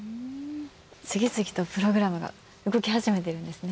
次々とプログラムが動きはじめてるんですね。